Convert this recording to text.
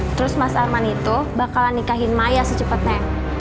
terus mas arman itu bakalan nikahin maya secepatnya